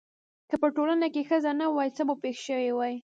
که په ټولنه کې ښځه نه وای څه به پېښ شوي واي؟